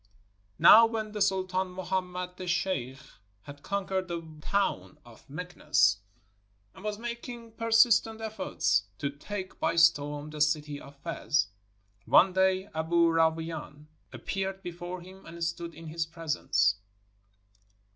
Now v/hen the Sultan Muhammed the Sheikh had conquered the town of Meknes, and was making per sistent efforts to take by storm the city of Fez, one day Aboo Rawain appeared before him and stood in his presence.